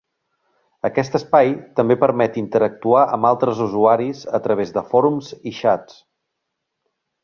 Aquest espai també permet interactuar amb altres usuaris a través de fòrums i xats.